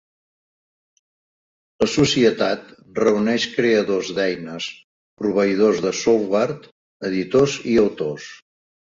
La societat reuneix creadors d'eines, proveïdors de software, editors i autors.